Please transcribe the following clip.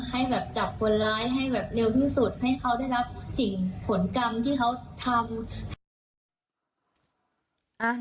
ให้แบบจับคนร้ายให้แบบเร็วที่สุดให้เขาได้รับสิ่งผลกรรมที่เขาทำ